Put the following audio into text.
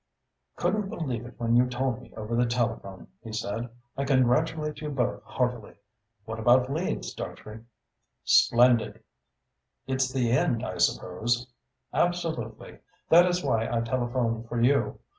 "Couldn't believe it when you told me over the telephone," he said. "I congratulate you both heartily. What about Leeds, Dartrey?" "Splendid!" "It's the end, I suppose?" "Absolutely! That is why I telephoned for you.